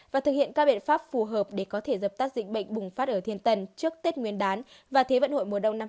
và thực hiện các biện pháp phù hợp để có thể dập tắt dịch bệnh bùng phát ở thiên tân trước tết nguyên đán và thế vận hội mùa đông năm hai nghìn hai mươi